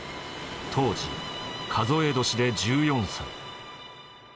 当時数え年で１４歳。